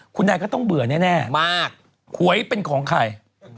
คุณนายก็ต้องเบื่อแน่มากหวยเป็นของใคร